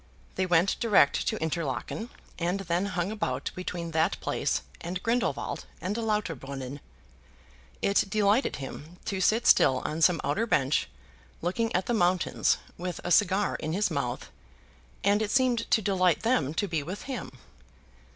They went direct to Interlaken and then hung about between that place and Grindelwald and Lauterbrunnen, It delighted him to sit still on some outer bench, looking at the mountains, with a cigar in his mouth, and it seemed to delight them to be with him.